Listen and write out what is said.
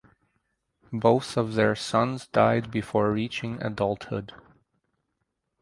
Both of their sons died before reaching adulthood.